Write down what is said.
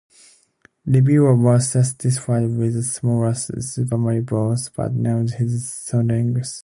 Reviewers were satisfied with the smaller "Super Mario Bros.", but noted its short length.